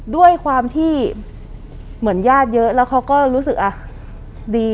ด้วยความที่เหมือนญาติเยอะแล้วเขาก็รู้สึกอ่ะดี